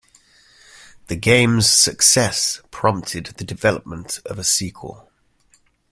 The games success prompted the development of a sequel.